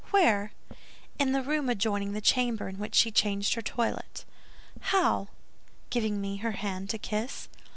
"Where?" "In the room adjoining the chamber in which she changed her toilet." "How?" "Giving me her hand to kiss."